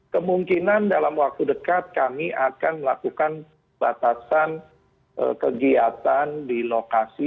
kemungkinan dalam waktu dekat kami akan melakukan batasan kegiatan di lokasi